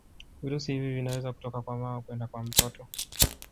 virusi hivi vinaweza kutoka kwa mama kwenda kwa mtoto